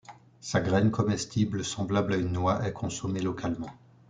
Sa graine comestible, semblable à une noix, est consommée localement.